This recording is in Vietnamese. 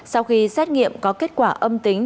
sau khi xét nghiệm có kết quả âm tính